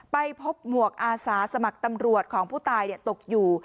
ไปพบหมวกอาสาสมัครตำรวจของผู้ตายตกอยู่